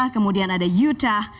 kemudian ada utah